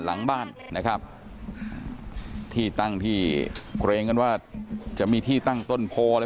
หลังบ้านนะครับที่ตั้งที่เกรงกันว่าจะมีที่ตั้งต้นโพอะไร